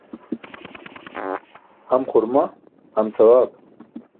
Ham xurmaa, ham sawaab.